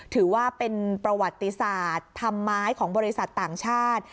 ถือว่าเป็นประวัติศาสตร์ธรรมไม้ของบริษัทต่างชาติ